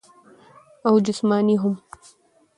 او جسماني هم -